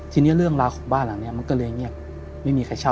ทีนี้เรื่องราวของบ้านหลังนี้มันก็เลยเงียบไม่มีใครเช่า